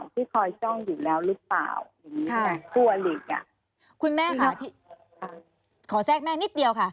ที่คอยช่องอยู่แล้วหรือเปล่าค่ะผู้อลีกอ่ะคุณแม่ค่ะขอแทรกแม่นิดเดียวค่ะ